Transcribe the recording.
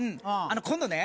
今度ね